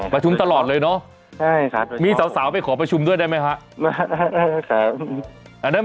ตลอดเลยเนาะมีสาวไปขอประชุมด้วยได้ไหมครับ